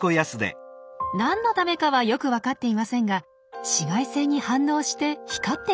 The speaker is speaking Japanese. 何のためかはよく分かっていませんが紫外線に反応して光って見える生きものもいるんです。